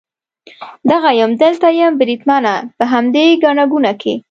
دغه یم، دلته یم بریدمنه، په همدې ګڼه ګوڼه کې.